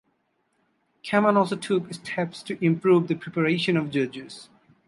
Calmon also took steps to improve the preparation of judges.